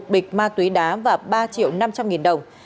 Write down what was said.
một bịch ma túy đá và ba triệu năm trăm linh nghìn đồng